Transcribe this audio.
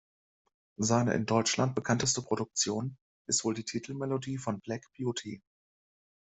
Seine in Deutschland bekannteste Produktion ist wohl die Titelmelodie von Black Beauty.